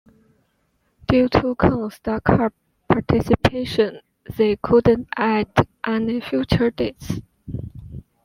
Due to Koen's Dakar-participation they couldn't add any further dates.